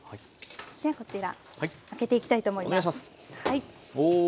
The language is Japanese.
ではこちら開けていきたいと思います。